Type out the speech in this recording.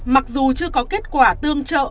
mặc dù chưa có kết quả tương trợ